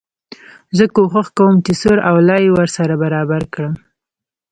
زه کوښښ کوم چي سر او لای يې ورسره برابر کړم.